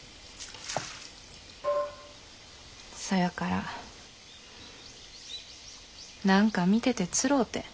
そやから何か見ててつろうて。